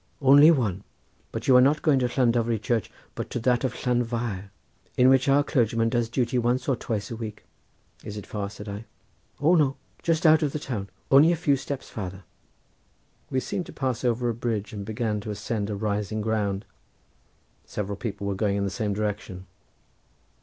"Only one, but you are not going to Llandovery Church, but to that of Llanfair, in which our clergyman does duty once or twice a week." "Is it far?" said I. "O no; just out of the town, only a few steps farther." We seemed to pass over a bridge and began to ascend a rising ground. Several people were going in the same direction.